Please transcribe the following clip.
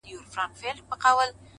لاره څارله